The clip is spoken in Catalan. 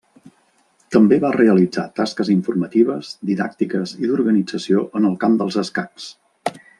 També va realitzar tasques informatives, didàctiques i d'organització en el camp dels escacs.